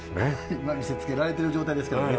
今見せつけられてる状態ですけどね。